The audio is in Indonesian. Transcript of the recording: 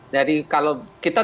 jadi kalau kita